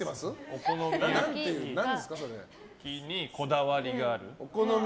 お好み焼きにこだわりがある。